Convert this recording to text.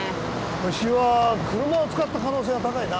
ホシは車を使った可能性が高いな。